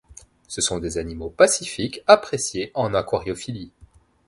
Ce sont des animaux pacifiques appréciés en aquariophilie.